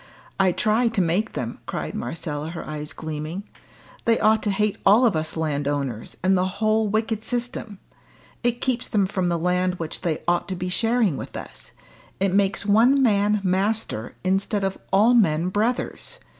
I try to make them," cried Marcella, her eyes gleaming. "They ought to hate all of us landowners, and the whole wicked system. It keeps them from the land which they ought to be sharing with us; it makes one man master, instead of all men brothers.